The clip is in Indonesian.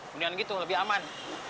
mendingan gitu lebih aman